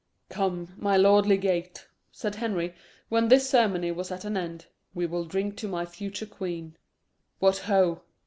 "Come, my lord legate," said Henry, when this ceremony was at an end, "we will drink to my future queen. What ho!